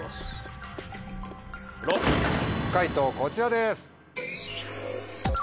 解答こちらです。